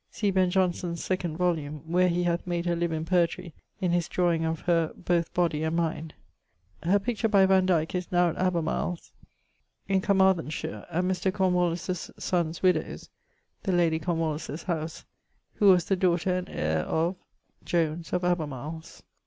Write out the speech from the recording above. See Ben: Johnson's 2d volumne, where he hath made her live in poetrey, in his drawing of her both body and mind: [LXXI.] Her picture by Vandyke is now at Abermarleys, in Carmarthenshire, at Mr. Cornwalleys' sonne's widowe's (the lady Cornwalleys's) howse, who was the daughter and heire of ... Jones, of Abermarles.